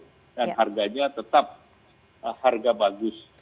dan harganya tetap harga bagus